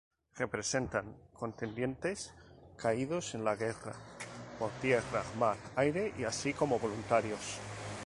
Representan a contendientes caídos en la guerra por tierra, mar, aire, así como voluntarios.